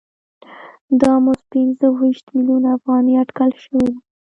دا مزد پنځه ویشت میلیونه افغانۍ اټکل شوی دی